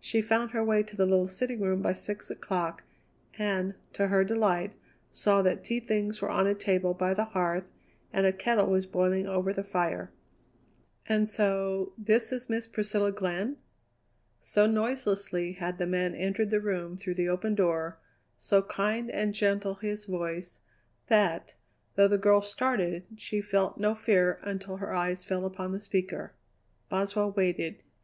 She found her way to the little sitting room by six o'clock, and, to her delight, saw that tea things were on a table by the hearth and a kettle was boiling over the fire. "And so this is Miss Priscilla Glenn?" So noiselessly had the man entered the room through the open door, so kind and gentle his voice, that, though the girl started, she felt no fear until her eyes fell upon the speaker. Boswell waited.